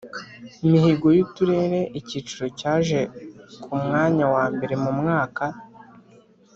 Mihigo y uturere icyiciro cyaje ku mwanya wa mbere mu mwaka